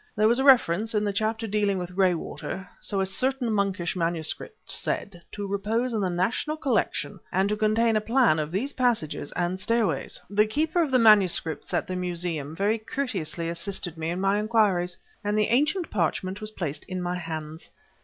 There was a reference, in the chapter dealing with Graywater, so a certain monkish manuscript said to repose in the national collection and to contain a plan of these passages and stairways. "The Keeper of the Manuscripts at the Museum very courteously assisted me in my inquiries, and the ancient parchment was placed in my hands.